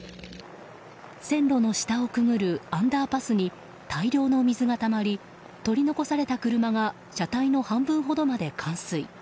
線路の下をくぐるアンダーパスに大量の水がたまり取り残された車が車体の半分ほどまで冠水。